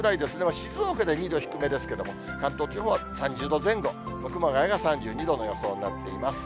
静岡では２度低めですけれども、関東地方は３０度前後、熊谷が３２度の予想になっています。